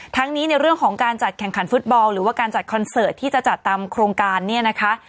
ทั้งนี้ในเรื่องของการจัดแข่งขันฟุตบอลหรือว่าการจัดคอนเสิร์ตที่จะจัดตามโครงการเนี่ยนะคะ